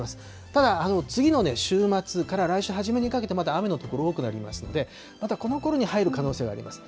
ただ、次の週末から来週初めにかけて、まだ雨の所多くなりますので、またこのころに入る可能性あります。